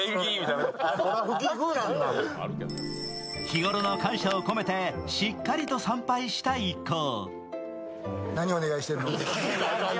日頃の感謝を込めてしっかりと参拝した一行。